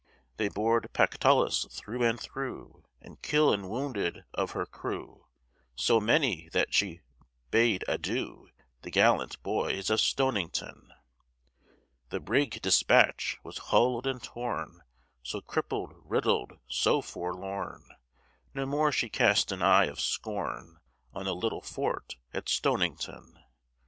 They bored Pactolus through and through, And kill'd and wounded of her crew So many, that she bade adieu T' the gallant boys of Stonington. The brig Despatch was hull'd and torn So crippled, riddled, so forlorn, No more she cast an eye of scorn On the little fort at Stonington.